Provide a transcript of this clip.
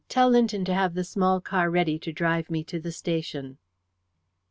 Tell Linton to have the small car ready to drive me to the station."